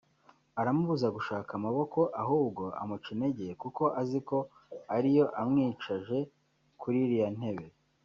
Aramubuza gushaka amaboko ahubwo amucintege kuko aziko ariyo amwicaje kuririya ntebe